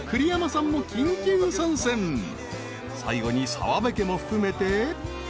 ［最後に澤部家も含めて］